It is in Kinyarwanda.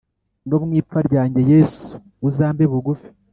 No mu ipfa ryanjye yesu uzambe bugufi